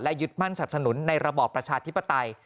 ยึดมั่นสับสนุนในระบอบประชาธิปไตย